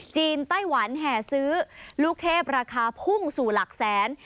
ไต้หวันแห่ซื้อลูกเทพราคาพุ่งสู่หลักแสน